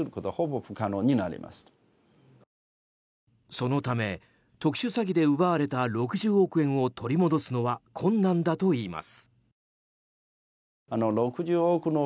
そのため特殊詐欺で奪われた６０億円を取り戻すのは困難だといいます。